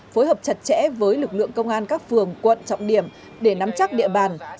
phối hợp chặt chẽ với lực lượng công an các phường quận trọng điểm để nắm chắc địa bàn